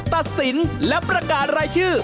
ตัดสินและประกาศรายชื่อ